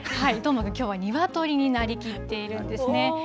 どーもくん、きょうは鶏になりきっているんですね。